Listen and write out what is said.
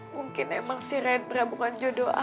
mungkin emang si redra bukan judo